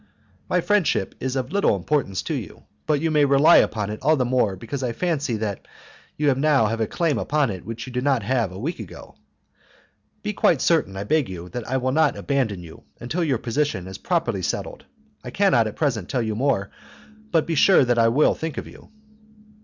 My friendship is of little importance to you, but you may rely upon it all the more because I fancy that you have now a claim upon it which you had not a week ago: Be quite certain, I beg, that I will not abandon you until your position is properly settled. I cannot at present tell you more; but be sure that I will think of you."